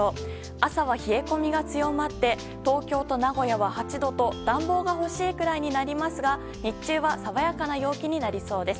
朝は冷え込みが強まって東京と名古屋は８度と暖房が欲しいくらいになりますが日中は爽やかな陽気になりそうです。